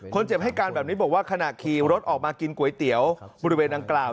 เจ็บให้การแบบนี้บอกว่าขณะขี่รถออกมากินก๋วยเตี๋ยวบริเวณดังกล่าว